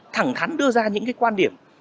thẳng thắn đưa ra những cái quan điểm